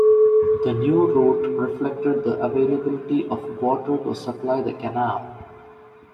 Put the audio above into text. The new route reflected the availability of water to supply the canal.